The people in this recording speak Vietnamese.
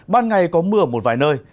ban ngày có mưa ở một vài nơi